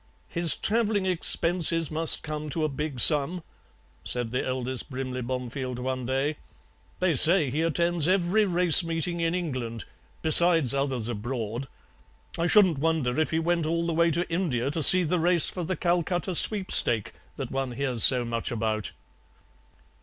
"'His travelling expenses must come to a big sum,' said the eldest Brimley Bomefield one day; 'they say he attends every race meeting in England, besides others abroad. I shouldn't wonder if he went all the way to India to see the race for the Calcutta Sweepstake that one hears so much about.'